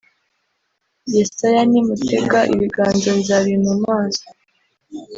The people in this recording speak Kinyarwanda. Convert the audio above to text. Yesaya Nimutega ibiganza nzabima amaso